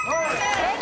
正解！